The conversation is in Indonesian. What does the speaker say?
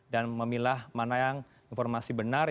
dan memilah mana yang informasi benar